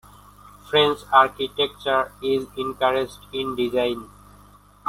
French architecture is encouraged in design.